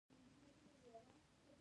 د وچو وښو پانې پکښې لګېدلې وې